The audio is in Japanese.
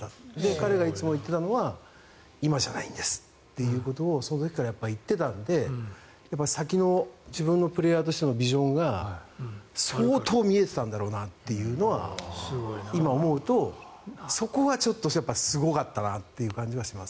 彼がいつも言っていたのは今じゃないんですっていうことをその時から言っていたので先の自分のプレーヤーとしてのビジョンが相当見えていたんだろうなというのは今思うとそこはちょっとすごかったなという感じはします。